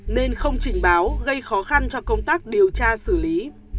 nên không trình báo gây khó khăn cho công tác điều tra xử lý